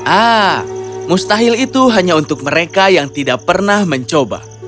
ah mustahil itu hanya untuk mereka yang tidak pernah mencoba